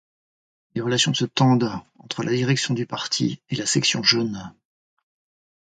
Les relations se tendent entre la direction du parti et la section jeune.